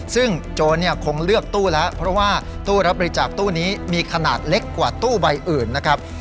ซึ่งโจรเนี่ยคงเลือกตู้แล้วเพราะว่าตู้รับบริจาคตู้นี้มีขนาดเล็กกว่าตู้ใบอื่นนะครับ